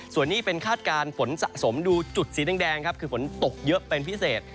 ส่วนนี้เป็นคาดการณ์ฝนสะสมดูจุดสีแดงครับคือฝนตกเยอะเป็นพิเศษ